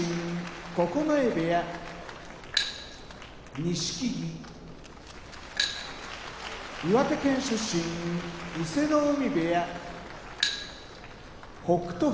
九重部屋錦木岩手県出身伊勢ノ海部屋北勝